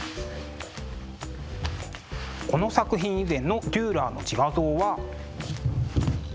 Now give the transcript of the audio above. この作品以前のデューラーの自画像は。